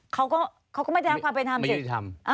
เขาก็ไม่ได้รับความเป็นธรรมสิทธรรม